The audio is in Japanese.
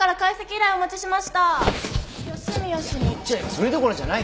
それどころじゃない。